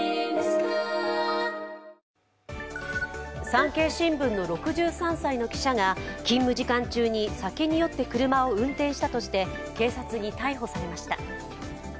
「産経新聞」の６３歳の記者が勤務時間中に酒に酔って車を運転したとして警察に逮捕されました。